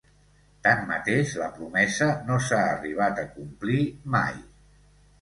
Tanmateix, la promesa no s’ha arribat a complir mai.